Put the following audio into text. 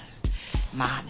まあね